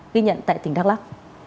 ghi nhận tại tỉnh đắk lắk